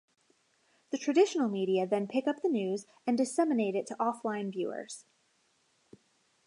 The traditional media then pick up the news and disseminate it to offline viewers.